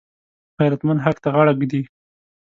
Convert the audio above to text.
غیرتمند حق ته غاړه ږدي